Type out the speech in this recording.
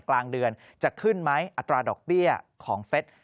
กลางเดือนจะขึ้นไหมอัตราดอกเบี้ยของเฟส